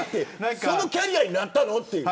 そのキャリアになったのという。